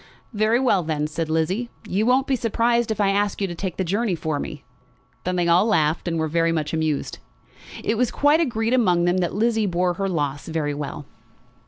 "Very well, then," said Lizzie. "You won't be surprised if I ask you to take the journey for me." Then they all laughed, and were very much amused. It was quite agreed among them that Lizzie bore her loss very well.